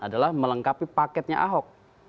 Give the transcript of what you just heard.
adalah melengkapi paketnya ahok